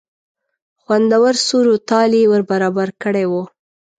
خوندور سور و تال یې ور برابر کړی و.